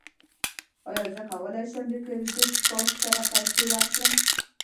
ایا زه کولی شم د کریډیټ کارت سره پیسې ورکړم؟